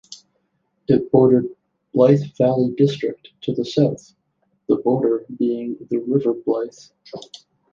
It bordered Blyth Valley district to the south, the border being the River Blyth.